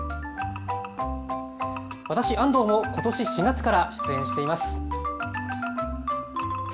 私、安藤もことし４月から出演しています。